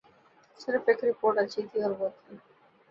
صرف ایک رپورٹ اچھی تھی اور وہ تھی۔